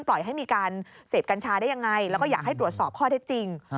ปล่อยให้มีการเสพกัญชาได้ยังไงแล้วก็อยากให้ตรวจสอบข้อเท็จจริง